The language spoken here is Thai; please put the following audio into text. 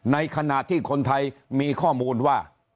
ในขณะที่คนไทยมีข้อมูลว่า